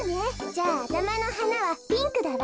じゃああたまのはなはピンクだわ。